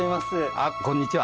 あこんにちは。